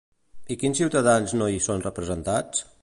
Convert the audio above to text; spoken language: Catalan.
I quins ciutadans no hi són representats?